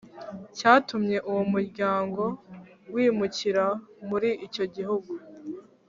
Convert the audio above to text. cyatumye uwo muryango wimukira muri icyo gihugu